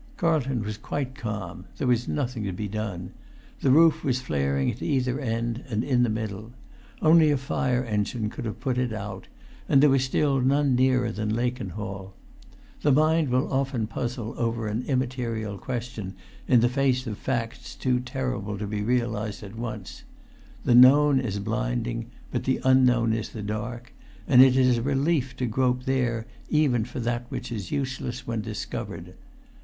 Carlton was quite calm. There was nothing to be done. The roof was flaring at either end and in the[Pg 393] middle. Only a fire engine could have put it out, and there was still none nearer than Lakenhall. The mind will often puzzle over an immaterial question in the face of facts too terrible to be realised at once: the known is blinding, but the unknown is the dark, and it is a relief to grope there even for that which is useless when discovered.